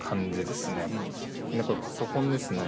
でこれパソコンですね。